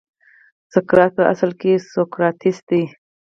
سقراط په اصل کې سوکراتیس دی.